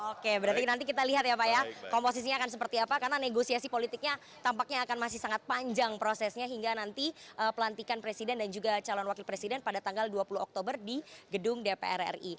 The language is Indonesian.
oke berarti nanti kita lihat ya pak ya komposisinya akan seperti apa karena negosiasi politiknya tampaknya akan masih sangat panjang prosesnya hingga nanti pelantikan presiden dan juga calon wakil presiden pada tanggal dua puluh oktober di gedung dpr ri